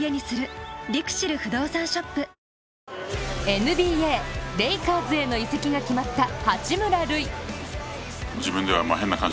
ＮＢＡ、レイカーズへの移籍が決まった八村塁。